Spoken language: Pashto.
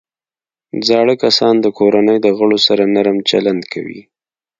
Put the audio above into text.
زاړه کسان د کورنۍ د غړو سره نرم چلند کوي